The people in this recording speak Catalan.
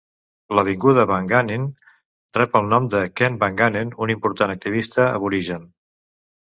L'avinguda Wanganeen rep el nom de Ken Wanganeen, un important activista aborigen.